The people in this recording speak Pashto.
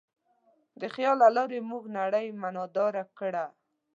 د خیال له لارې موږ نړۍ معنیداره کړه.